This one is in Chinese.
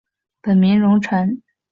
本名融成。